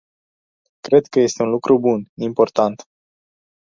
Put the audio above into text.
Cred că este un lucru bun, important.